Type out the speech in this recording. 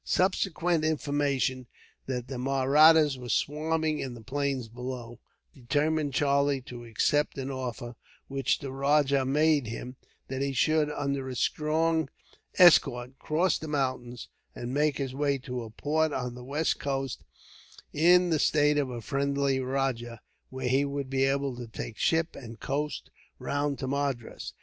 Subsequent information, that the Mahrattas were swarming in the plains below, determined Charlie to accept an offer which the rajah made him; that he should, under a strong escort, cross the mountains, and make his way to a port on the west coast, in the state of a friendly rajah, where he would be able to take ship and coast round to Madras.